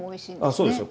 そうですよ。